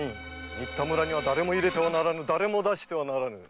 「新田村には誰も入れてはならぬ誰も出してはならぬ」